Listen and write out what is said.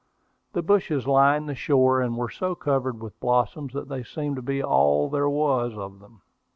The bushes lined the shore, and were so covered with blossoms that they seemed to be all there was of them.